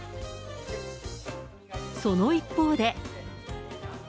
その一方で。